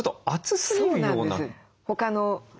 そうなんです。